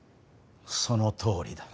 そのとおりだ。